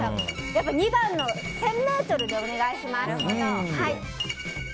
２番の１０００ｍでお願いします。